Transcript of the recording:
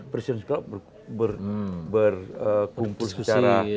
presiden suka berkumpul secara